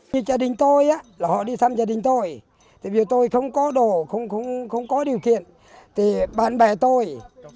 những gia đình tôi họ đi thăm gia đình tôi vì tôi không có đồ không có điều kiện thì bạn bè tôi